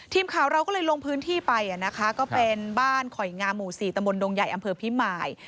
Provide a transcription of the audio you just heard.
ทีมข่าวเราก็เลยลงพื้นที่ไปนะคะก็เป็นบ้านขอยงามหมู่๔ตะมนตงใหญ่อำเภอพิมาย